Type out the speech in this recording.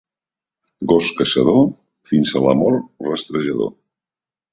Gos caçador fins a la mort rastrejador.